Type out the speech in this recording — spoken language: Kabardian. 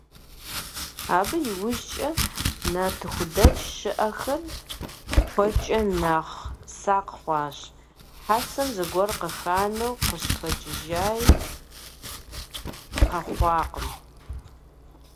Абы иужькӀэ нартыхудэч щыӀэхэр куэдкӀэ нэхъ сакъ хъуащ, хьэсэм зыгуэр къыханэу къыщыхэкӀыжаи къэхъуакъым.